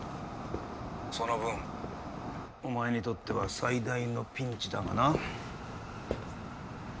☎その分お前にとっては最大のピンチだがな